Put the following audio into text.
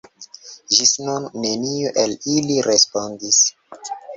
Ĝis nun neniu el ili respondis.